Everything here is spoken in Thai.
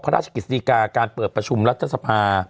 พระราชกฤษฎิกาการเปิดประชุมรัฐสภา